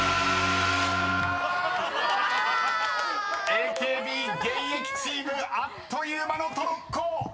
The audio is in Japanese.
［ＡＫＢ現役チームあっという間のトロッコ！］